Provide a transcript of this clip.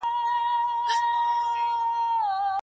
مجازات او مکافات د چا لپاره دي؟